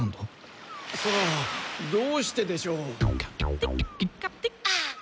さあどうしてでしょう。